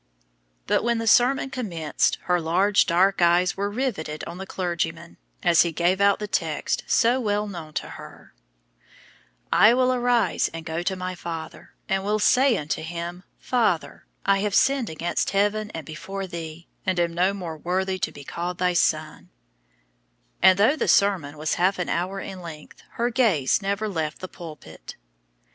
But when the sermon commenced her large dark eyes were riveted on the clergyman as he gave out the text so well known to her: "_I will arise and go to my father, and will say unto him, Father, I have sinned against Heaven, and before thee, and am no more worthy to be called thy son_"; and though the sermon was half an hour in length, her gaze never left the pulpit.